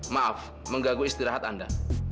maaf menggagui istirahat anda